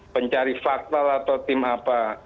pencari fakta atau tim apa